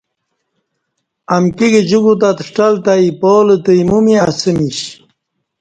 امکی گجی کوتت ݜٹل تہ ایپالہ تہ ایمومی اسہ میش